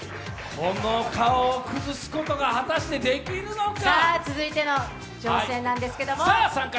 この顔を崩すことが果たしてできるのか。